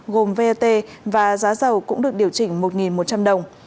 gồm vat và giá dầu cũng được điều chỉnh một một trăm linh đồng